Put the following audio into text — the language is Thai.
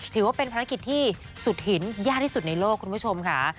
ถือว่าเป็นภารกิจที่สุดหินยากที่สุดในโลกคุณผู้ชมค่ะ